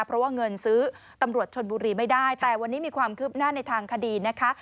เพราะว่าเงินซื้อตำรวจชนบุรีไม่ได้แต่วันนี้มีความคืบหน้าในทางคดีนะคะ